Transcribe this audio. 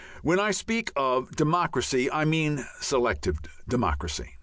When I speak of "democracy" I mean "selective democracy."